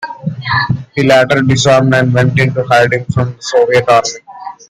He later disarmed and went into hiding from the Soviet Army.